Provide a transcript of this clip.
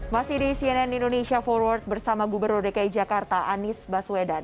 masih di cnn indonesia forward bersama gubernur dki jakarta anies baswedan